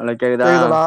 Hello கேக்குதா கேக்குதாடா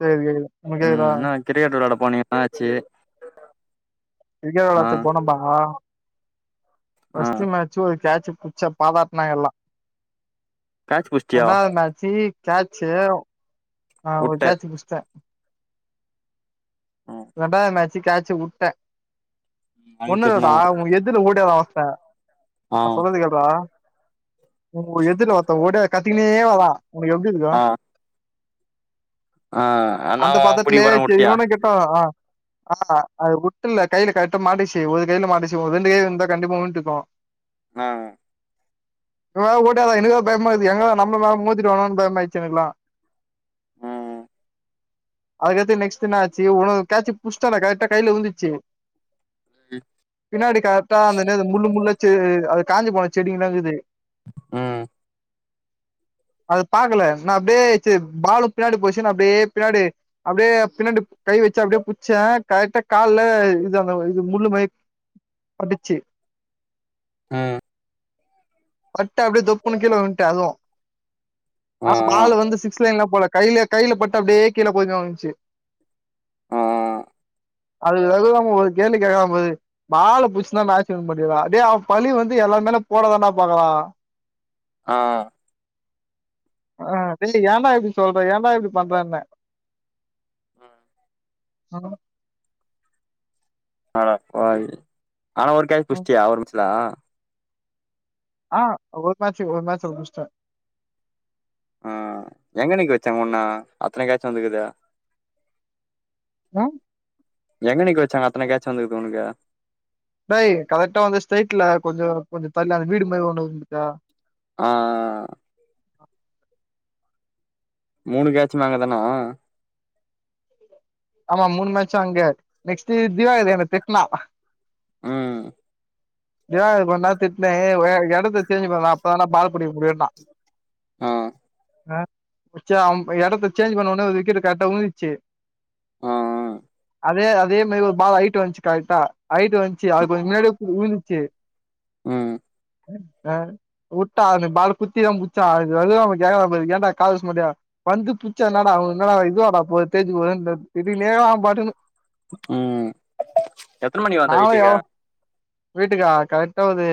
கேக்குது கேக்குது உனுக் ம் கேக்குதா என்ன கிரிக்கெட் விளாட போனீயே ன்னா ஆச்சு கிரிக்கேட் விளாரத்துக்கு போனம்பா ஆ ஃபர்ஸ்ட் மேட்சு ஒரு கேச்சு புட்ச்ச பாராட்னாங்க எல்லா கேட்ச் புடிச்சிட்டியா ரெண்டாவது மேட்ச் கேச் ஆ ஒரு உட்ட கேச்சு புட்ச்ட்ட ஆஹ் ரெண்டாவது மேச்சு கேச்சு உட்ட அதுக்கு ஒன்னுயில்லடா திட்னாங்க உ எதுர்ல ஓடியார வச்ட்ட ஆ நான் சொல்றத கேள் சொல்றா உ எதுர்ல ஒருத்த ஓட கத்தினே வரா உனக்கு எப்டி இருக்கு ஆ ஆ நா அந்த புடிக்க பக்கத்லயே போறே செய் உட்டியா இவனு கெட்டவா ஆ ஆ அவர் உட்டுல கைல கரட்டா மாட்டுச்சு ஒரு கைல மாட்டுச்சு ஒ ரெண்டு கைல இருந்தா கண்டிப்பா உண்ட்ருக்கு ஆ ஆ இந்த மாரி ஓட்டாத எனக்கு பயமா இருக்குது எங்கதா நம்ம மேல மோதிடுவனோன்னு பயமாச்சு எனக்குலா ம் அதுக்கடுத்து நெக்ஸ்ட் என்னாச்சு உனக் காட்ச்சு புச்டனா கரக்டா கைல உழுந்துச்சு அ த் பின்னாடி கரெக்டா அந்த என்னாது முள்ளு முள்ளச்சு அது காஞ்சி போன செடிங்கலா இருக்குது ம் அது பாக்கல நா அபடியே ச பாலு பின்னாடி போச்சுனு நா அப்டியே பின்னாடி அப்டியே பின்னாடி கை வச்சு அப்டியே புட்ச்ச கரெக்டா கால்ல இது அந்த இது முள்ளுமாரி பட்டுச்சு ஆ பட்டு அப்டியே தொப்புண் கீழ விழுந்ட்ட அதுவு ஆ பாலு வந்து சிக்ஸ் லைன்ல போல கைல கைல பட்டு டீயே கீழே கொஞ்சோ இருந்ச்சு ஆ அது அதுக் அங்க ஒரு கேள்வி கேக்றா பாரு பால புட்ச்சுந்தா மேட்ச்ச வின் பண்ணிருக்கலா அடே அவ பழி வந்து எல்லாருமேல போடதாண்டா பாக்குறா ஆ ஆ பில்லு ஏன்டா இப்டி சொல்ற ஏன்டா இப்டி பண்றன்ன [unintelligible] அட பாவி ஆனா ஒரு கேட்ச் ம் புட்ச்சியா அவரு புட்ச்சலா ஆ ஒருமாச்சு ஒருமாச்ச முட்ச்ட்ட ஆ எங்க நிக்க வச்சாங்க உன்ன அத்தன கேட்ச்சு வந்துக்குது வாம் எங்க நிக்க. வச்சாங்க அத்தன கேட்ச் வந்துக்குது உனக்கு டேய் கரெக்டா வந்து ஸ்டைட்ல கொஞ்சோ கொஞ்சோ தல் அந்த வீடு மாரி ஒன்னு இருக்குது பாத்தியா ஆ மூணு கேட்ச்மே அங்க தானா ஆமா மூன் மேட்ச அங்க நெக்ஸ்ட் திவாகர் என்ன திட்னா ம் ஏ இப்டி பண்ண திட்னே ஏ இடத்த சேஞ்சு பண்ணலா அப்பதாண்டா பால் புடிக்க முடியுனா ஆ ஆ இடத்த சேஞ்ச் பண்ண உடனே ஒரு விக்கெட் கரெக்டா உந்துச்சு ஆ அதே அதே மாரி ஒரு பால் ஐட்டு வந்ச்சு கரெக்டா ஐட்டு வந்ச்சு அது முன்னாடியே உழுந்ச்சு ம் ம் நானு உட்டா அவனுங்க பால குத்திதா புட்ச்சா அது வெலயு அவ கேக்கறா பாரு ஏன்டா காலூஸ் மண்டயா வந்து புட்ச்சா என்னாடா ஆவு என்னாடா இதுவாடா போ தேஞ்சு போது த திட்டினே இருக்கா அவ பாட்டுனு எத்தன மணிக்கு வந்த நாலா வீட்டுக்கு எவ் வீட்டுக்கா கரெக்ட்டா ஒரு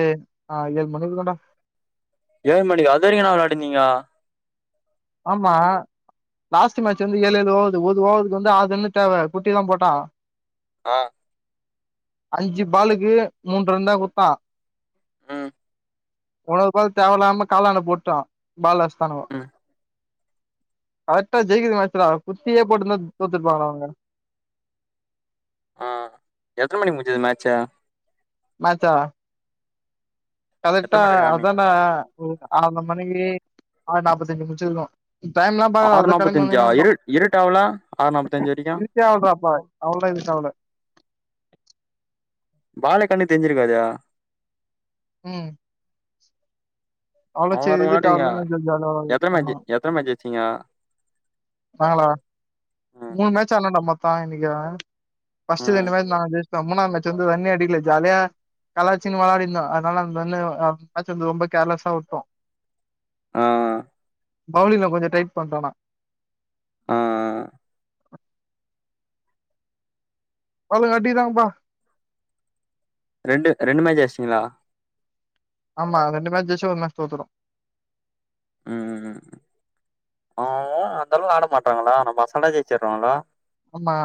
ஆ ஏழு [unintelligible] ஏழு மணிக்கா அதரி ன்னா விளாண்டிர்ந்திங்க ஆமா லாஸ்ட் மேட்ச் வந்து ஏழு ஏழு ஓவது ஒது ஓவது வந்து ஆதுன்னு தேவ குட்டி தா போட்டா ஆ அஞ்சு பாலுக்கு மூன்று ரன் தா குட்த்தா ம் ஒன்னொரு பால் தேவல்லாம கால்லான்ட போட்டா பால் அட்ச்டானுவொ ம் க்ரெக்டா ஜெயிக்ற மேச்சுடா குட்டியேயே போட்ருந்தா தோத்துருப்பாங் அவுங்க அ எத்ன மணிக்கு முட்ஞ்சது மேச்சு மேச்சா கரெக்டா எத்தன மணி வரைக்கு ஆடுனீங்க அதான்ட ஒரு ஆற்ர மணிக்கு ஆறு நாப்பத்தஞ்சு முட்ச்சிர்க்கு டைம்ல்லா பாக்கல ஆறு நாப்பத்தஞ்சா அதுதா இரு இருட்டாவல ஆறு [unintelligible] நாப்பத்தஞ்சு வரைக்கு கேள்ட்றா அப்பாவ அவள்ள எதுக்கு அவள வாலைக்கண்ணு தேஞ்சிருக்காதெடா ம் அவ்ளோ [unintelligible] சேரி இதுக்கு ஆவல ஜாலியா ஆவாது எத்தன ஆமா மேட்ச்சு எத்ன மேட்ச்சு ஜெய்ச்ஜிங்க நாங்களா ம் மூணு மேட்ச் ஆட்ணோன்டா மொத்தொ இன்னெக்க ஃபஸ்ட்டு ம் ரெண்டு மேட்ச் நாங்க ஜெய்ச்ட்டோ மூணாது மேட்ச்லர்ந்து ரன்னே அடிக்ல ஜாலிய கலாச்சின்னு வெளாடின்ந்தோ அதுனால அந்தண்ணே அ மேட்ச் வந்து ரொம்ப கேர்லெஸ்ஸா விட்டொ ஆ பவுலிங்ல கொஞ்சொ டைட் பண்ட்டோனா ஆ மல்லுகட்டிறாங்க பா ரெண்டு ரெண்டு மேட்ச்ன ஜெய்ச்ட்டிங்ளா ஆமா ரெண்டு மேட்ச் ஜெய்ச்சோ ஒரு மேட்ச் தோத்துட்டோ ம் ம் ம் ஆவொ அந்தளவுக் ஆட மாட்டாங்களா நம்ம அசல்ட்டா ஜெய்ச்சிர்ரோ [unintelligible] ஆமா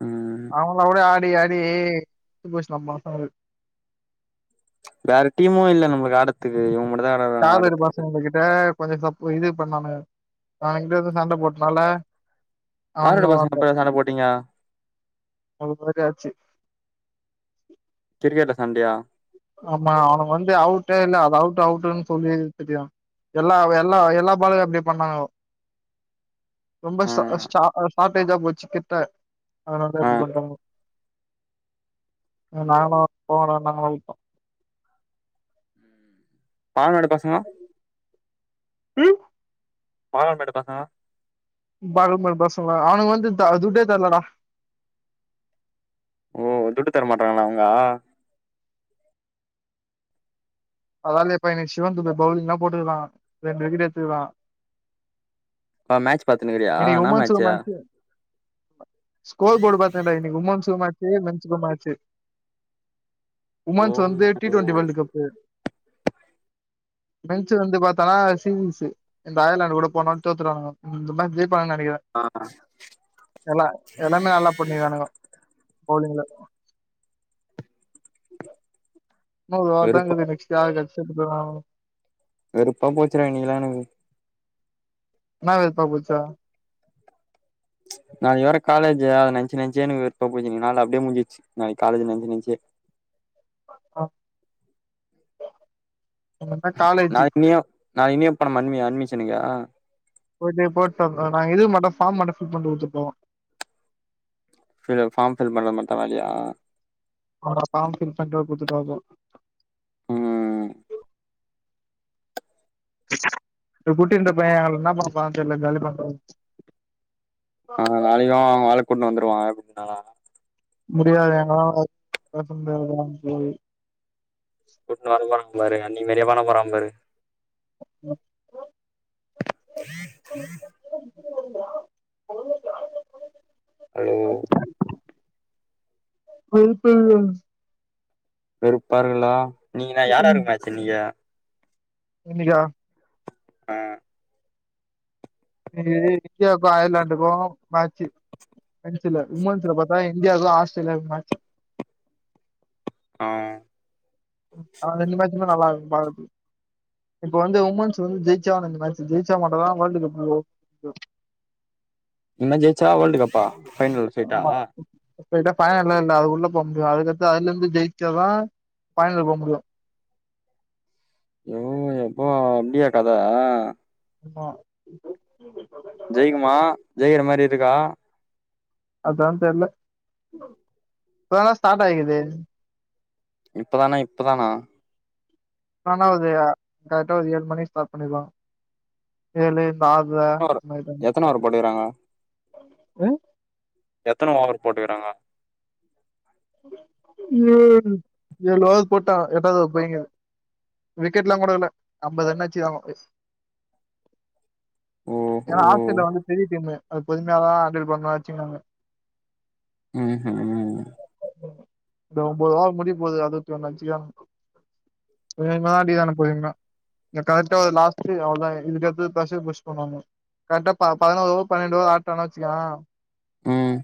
ம் அவங்ள வுட ஆடி ஆடி [unintelligible] வேற டீமு இல்ல நம்ளுக்கு ஆடத்துக்கு இவுங்க மட்டு தா [unintelligible] உங்க கிட்ட கொஞ்ச சப் இது பண்ணாங்க நா இங்க வந்து சண்ட போட்னால யாரோட [unintelligible] சண்ட போட்டீங்க [unintelligible] கிரிக்கெட்ல சண்டையா ஆமா அவ்னுங்க வந்து அவுட்டே இல்ல அது அவுட்டு அவுட்டுன்னு சொல்லி திரிராங் எல்லா எல்லா எல்லா பாலு அப்டி பண்ணாங்கொ ரொம்ப ஆ ஷ ஷா ஷார்ட்டேஜா போச்சு கிட்ட அதுனால தா ஆ இப்டி பண்றாங்கொ நாங்ளொ போங்டான் நாங்க [unintelligible] பாலாடு பசங்க ம் [unintelligible] பாசங்க பாக மோடு பசங்கள அவனுக்கு வந்து துட்டே தரலடா ஓ துட்டு தர மாட்றாங்களா அவங்க அதனால இப்ப என்ன சிவன் துபே பவுலிங்லா போட்டுவா ரெண்டு வீக்கெட் எடுத்துக்குறா அ மேச் பாத்துன்னு இருக்குறியா இன்னைக்கு என்ன உமன்ஸுக்கு மேச்சு மேட்ச்சு ஸ்கோர் போடு பாத்தன்டா இன்னைக்கு உமன்சுகு மேட்ச் மென்சுக்கு மேட்ச் ஓ உமன்ஸ் வந்து T twenty world cup men's வந்து பாத்தனா சிங்கிள்ஸு இந்த அயர்லாண்ட் கூட போனு தோத்துனுவாங்க இந்த மேட்ச் ஜெய்ப்பாங்கனு நெனைக்கிறே ஆ எலா எல்லாமே நல்லா பண்ணிந்தானுங்க பவுலிங்ல ந வெறுப்பா தாங்தாது நெக்ஸ்டு [unintelligible] வெறுப்பா போச்சிரா இன்னைக்குலா எனக்கு என்ன வெறுப்பா போச்சா நாளைக்கு வேற காலேஜ் அத நெனைச்சு நெனச்சி எனக்கு வெறுப்பா போச்சு இன்னைக்கு நாள் அப்படியே முடிஞ்சச்சு நாளை காலேஜு நெனச்சு நெனச்சு அ எங்கள்ட்ட காலேஜ் நா இனியு நா இனியு பண்ணியா அன் அன்மிஷனுக்கா போயிடி போட்டோம் நாங்க இது மட்டு ஃபார்ம் மட்டு ஃபில் பண்ணி கொடுத்துப்போவோ சரி ஃபார்ம் ஃபில் மட்டு தா வேலையா ஆமா ஃபாம் ஃபில் பண்றதுக்கு குடுத்துட்டாகு ம் இப்ப குட்டி இருந்த பைய எங்க என்ன பன்றா தெரில காலி பன்ற ஆ நாளைக்கு அவ வேலைக் கூட்டுட்டு வந்துடுவா குடுனா முடியாது எங்களால பேச முடியாது கூட்னு வரவரும்பாரு அன்னி வெளிய வரம்பாரு ம் [unintelligible] ஹலோ சரிப்பல் வெறுப்பாருங்களா நீங்கனா ம் யாராருக்கு மேச்சு இன்னைக்கி இன்னைக்கா ஆ இன்னிக்கி இந்தியாக்கு அயர்லாண்டுக்கு மேச்சு ஜென்ஸ்ல உமன்ஸ்ல பாத்தா இந்தியாவுக்கு ஆஸ்திரேலியாக்கு மேச்சு ஆ ஆ ரெண்டு மாச்சுமே நல்லாருக்கு பாக்கதுக் இப்ப வந்து உமன்ஸ் வந்து ஜெய்ச்சா இந்த மேச்சு ஜெய்ச்சா மட்டு தா வேர்ல்டு கப் என்ன ஜெய்ச்சா வேர்ல்ட் கப்பா ஃபைனல் போய்ட்டா போயிட்ட ஃபைனல் எல்லா இல்ல அதுக்குள்ள போ முடியு அதுக்கத்து அதுலந்து ஜெயிச்சாதா ஃபைனல் போ முடியு ஓ எப்போ அப்டியா கத ஆமா [unintelligible] ஜெயிக்குமா ஜெய்கிற மாரி இருக்கா அதா தெரில இப்ப தானடா ஸ்டார்ட் ஆயிக்குது இப்பதானா இப்பதானா ஆனா அது கரெடா ஒரு ஏழு மணிக் ஸ்டார்ட் பண்ணிடுவாங்க ஏழு தாதா ஓவர் மை எத்தன ஓவர் போட்டுக்கறாங்க [unintelligible] அ எத்தன ஓவர் போட்டியிறாங்க ஏழு எழு ஓவர் போட்டாங்க எட்டாவது ஓவர் போய்ங்குது விக்கெட்ல்லா கூட விழல ஐம்பது ரன்ச்சுகுறாங்கோ ஓஹோ ஏன்னா ஆஸ்டிரேலியா வந்து பெரிய டீம் அது பொதுமையாதா ஆன்டில் பண்ணு வச்சுகுனாங்க ம்ம்ஹ் இந்த ஒன்பது ஓவர் முடிய போது அறுவத்தோண்ணு அச்சுகிறான்னுங்க வேணும்தா அடிக்கிறங்க புள்ளைங்கள கரெக்டா லாஸ்ட்டு அவ்ளதா இதுக்கடுத்து பிரஷர் புஷ் பண்ணுவாங்கோ கரெக்டா ப பதினோ ஓவர் பன்னெண்டு ஓவர் ஆட்னா வச்சிக்கோவ ம்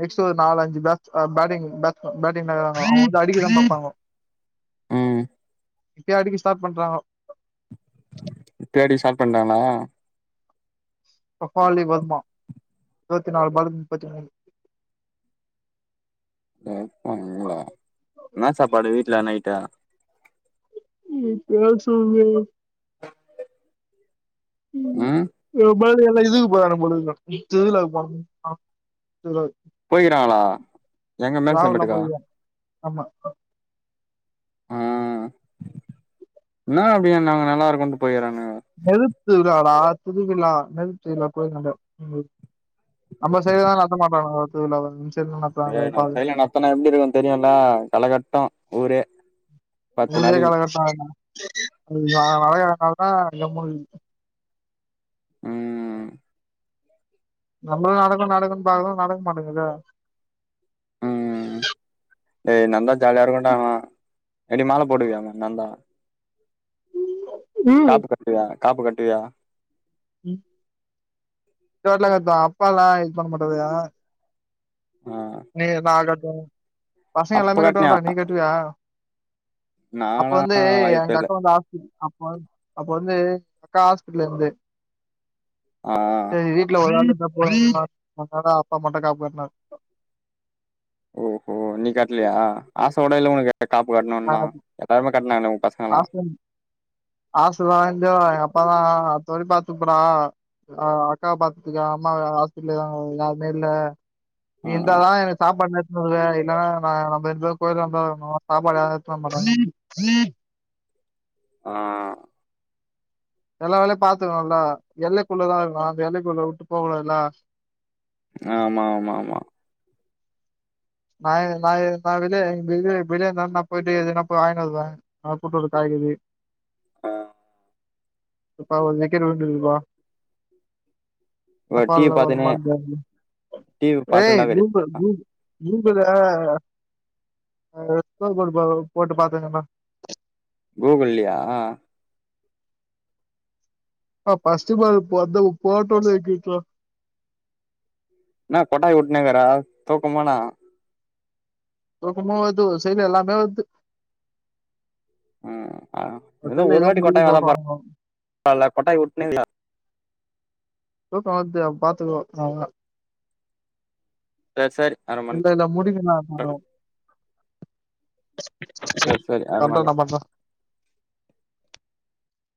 நெக்ஸ்ட் ஒரு நாலு அஞ்சு பேஸ்ட் பேட்டிங் பேஸ்ட் பேட்டிங்கறாங்கோ அவுங்க வந்து அடிக்கத பாப்பாங்கோ ம் இப்பயே அடிக்க ஸ்டார்ட் பண்றாங்கோ தேடீ ஸ்டார்ட் பண்றாங்ளா பஃபாலி வர்மா இருவத் நாலு பாலுக்கு முப்பத்தி மூணு [unintelligible] என்ன சாப்பாடு வீட்ல நைட்டு [unintelligible] ம் [unintelligible] இதுக்கு போறாங்க போலாங்க போலா இருக்கு திருவிழாக்கு போய்க்கிறாங்களா எங்க மேல்செம்பட்டுக்கா [unintelligible] [unintelligible] [unintelligible] ஆமா ஆ என்ன அப்டி நாங்க நல்லா இருக்கோண்டு போயிறாங்க நெறுத் திருவிழாடா திருவிழா நெறுத்து திருவிழா கோயிலாண்டா ம் நம்ப சைடு எல்லா நடத்த மாட்டாங்னுங்கோ திருவிழாவ சைடு ஏ நடத்துறாங்க நம்ம பாரு சைடுல நடத்துனா எப்டி இருக்கும்ன்னு தெரியும்ல களைகட்டு ஊரே பத்து ஊரே நாளைக்கு களைகட்டு அது நடக்கனாலதா [inaudible] ம் நம்மளு நடக்கு நடக்குன்னு பாக்குறோ நடக்க மாட்டேங்குதே ம் ஏ நடந்தா ஜாலியா இருக்குன்டா ஆனா எப்டி மால போடுவியாமே நந்தா ம் காப்பு கட்டுவியா காப்பு கட்டுவியா ம் இந்தவாட்டில கட்ல அப்பா எல்லா இது பண்ண மாட்டாதுக ஆ நீ நா கட்டுவ பசங்க அப்ப எல்லாமே கட்னியா கட்டுவாங்கடா நீ கட்டுவியா அப்ப நாலா வந்து வாய்ப்பே எங்க இல்ல அக்கா வந்து ஹாஸ்பிட்டல் அப்ப அப்ப வந்து அக்கா ஹாஸ்பிட்டல இருந்து ஆ செரி வீட்ல ஒரு ஆளு இருந்தா போது [unintelligible] அதனால அப்பா மட்டு காப்பு கட்டுனாரு ஓஹோ நீ கட்லையா ஆச ஊட இல்ல உனுக்கு காப்பு கட்ணுன்னா எல்லாருமே கட்டுனாங்க ஊ பச ஆசன் ஆசதா [unintelligible] எங்க எங்க அப்பாதா அடுத்தவாட்டி பாத்துப்போடா ஆ அக்காவ பாத்துட்ருக்கே அம்மா வேற ஹாஸ்பிட்லு யாருமே இல்ல நீ ம் இருந்தாதா எனக்கு சாப்டு நேர்த் [unintelligible] இல்லனா நா நம்ம எங்கயோ போயிறேப்பா நா சாப்பாடு யாரு எடுத்து வரமாட்டாங்கப்பா ஆ எல்லா வேலையு பாத்துருவேன்ல எல்லைக்குள்ளதா இருக்கணு அந்த எல்லைக்குள்ள வுட்டு போக கூடாதுல ஆமா ஆமா ஆமா நாயி நாயி நா வெளிய வெளிய வெளிய இருந்தாதா நா போயிட்டு எதுனா போய் வாங்கினு வருவ ஆ கூட்டு ஒரு காய்கறி ஆ இப்ப அவருக்கு விக்கெட் விழுந்துருக்குப்பா இவ டிவி பாத்துனே [unintelligible] டிவி ஏ பாத்துன்தாக்குது கூகுள் கூகு [unintelligible] போட்டு பாத்துக்கங்கப்பா கூகுள் இல்லையா ப்பா ஃபர்ஸ்ட் மார்க் [unintelligible] என்ன கொட்டாயி உட்னே இருக்குற தூக்கமா என்ன தூக்கமா வருது ஒரு சைடு எல்லாமே வருது ம் அ எதோ சைடுல ஒரு ஏதோ வாட்டி கொட்டாய் முடியுதுன்னு வந்தா சொல்றானுங்கோ பரவால்ல கொட்டாய் உட்னே இருக்க தூக்கோ வருது அப்ப பாத்துக்குவோ அவ்ளோதா செரி செரி அங்கப் இல்ல இல்ல முடிங்கா நா வரோம் சரி சரி அர பண்றே மண் நா பண்றே